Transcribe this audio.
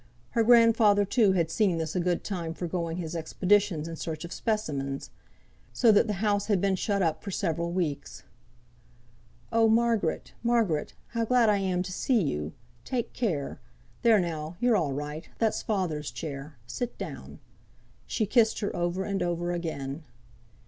Her grandfather, too, had seen this a good time for going his expeditions in search of specimens; so that the house had been shut up for several weeks. "Oh! Margaret, Margaret! how glad I am to see you. Take care. There, now, you're all right, that's father's chair. Sit down." She kissed her over and over again.